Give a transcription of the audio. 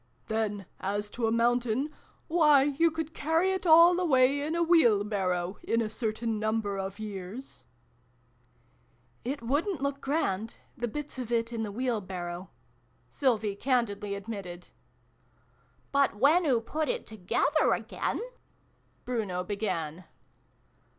Then as to a Mountain why, you could carry it all away in a wheel barrow, in a certain number of years !"" It wouldn't look grand the bits of it in the wheel barrow," Sylvie candidly admitted. " But when oo put it together again Bruno began.